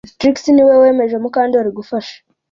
Trix niwe wemeje Mukandoli gufasha